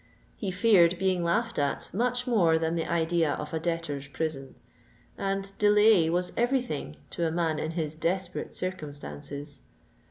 He feared being laughed at much more than the idea of a debtor's prison; and delay was every thing to a man in his desperate circumstances.